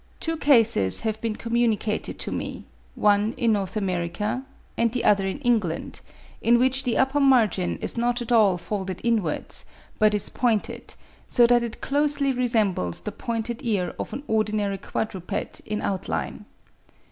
Two cases have been communicated to me, one in North America, and the other in England, in which the upper margin is not at all folded inwards, but is pointed, so that it closely resembles the pointed ear of an ordinary quadruped in outline.